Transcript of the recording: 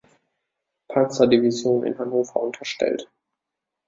Panzerdivision in Hannover unterstellt.